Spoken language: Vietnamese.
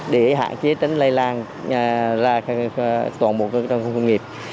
để hạn chế tránh lây lan ra toàn bộ trong khu công nghiệp